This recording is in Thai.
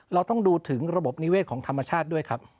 เราต้องดูถึงระบบนิเวศของธรรมชาติด้วยครับ